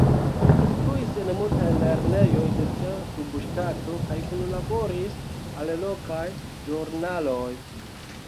Li instruis en multaj lernejoj de sia subŝtato kaj kunlaboris al lokaj ĵurnaloj.